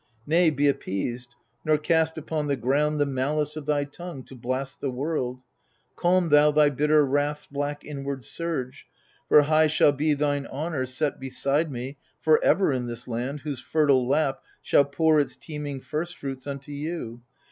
Nay, be appeased, nor cast upon the ground The malice of thy tongue, to blast the world ; Calm thou thy bitter wrath's black inward surge. For high shall be thine honour, set beside me For ever in this land, whose fertile lap Shall pour its teeming firstfruits unto you.